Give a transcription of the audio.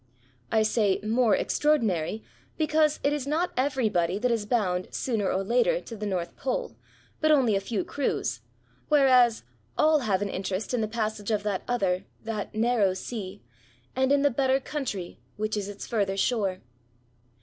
I say '* more extraordinary,'* because it is not everybody that is bound, sooner or later, to the North Pole, but only a few crews ; whereas, all have an interest in the passage of that other, that ^* narrow sea," and in the " better country " which is its further shore.